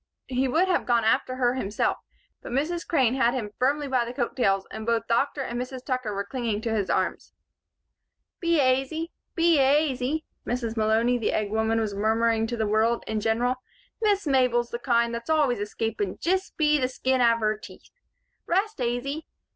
He would have gone after her himself, but Mrs. Crane had him firmly by the coat tails and both Dr. and Mrs. Tucker were clinging to his arms. "Be aisy, be aisy," Mrs. Malony, the egg woman was murmuring to the world in general. "Miss Mabel's the kind thot's always escapin' jist be the skin av her teeth. Rest aisy.